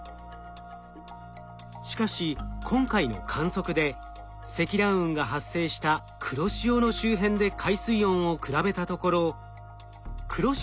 しかし今回の観測で積乱雲が発生した黒潮の周辺で海水温を比べたところ黒潮地点では２６．９℃だったものが